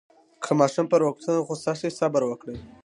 که ماشوم پر وړکتون غوصه وي، صبر وکړئ.